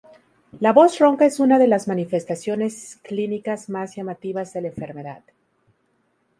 La voz ronca es una de las manifestaciones clínicas más llamativas de la enfermedad.